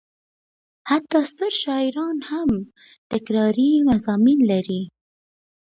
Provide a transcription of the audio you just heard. حتی ستر شاعران هم تکراري مضامین لري.